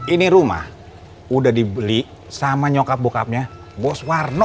ini rumah udah dibeli sama nyokap bokapnya bos warno